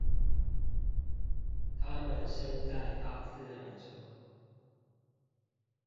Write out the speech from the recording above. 他們身在大自然中